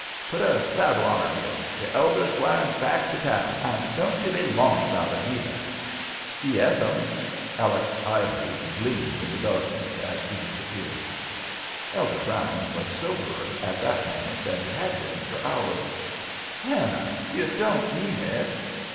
"Put a saddle on er mule. The elder's gwine back to town. And don't you be long about it neither." "Yessum." Aleck's ivories gleamed in the darkness as he disappeared. Elder Brown was soberer at that moment than he had been for hours. "Hannah, you don't mean it?"